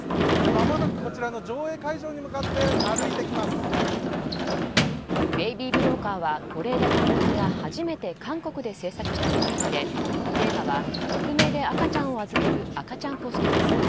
まもなくこちらの上映会場に向かって「ベイビー・ブローカー」は是枝監督が初めて韓国で制作した作品でテーマは匿名で赤ちゃんを預ける赤ちゃんポストです。